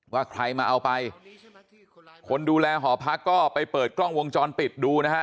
ว่าใครมาเอาไปคนดูแลหอพักก็ไปเปิดกล้องวงจรปิดดูนะฮะ